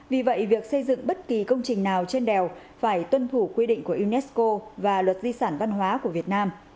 vì vậy việc xây dựng bất kỳ công trình nào trên đèo phải tuân thủ quy định của unesco và luật di sản văn hóa của việt nam